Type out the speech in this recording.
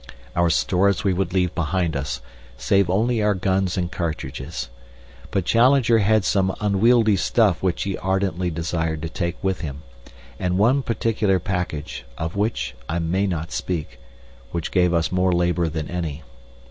Our stores we would leave behind us, save only our guns and cartridges. But Challenger had some unwieldy stuff which he ardently desired to take with him, and one particular package, of which I may not speak, which gave us more labor than any.